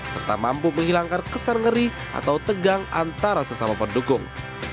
serta mampu menghilangkan kesan ngeri atau tegang antara sesama pendukung